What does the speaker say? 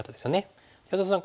安田さん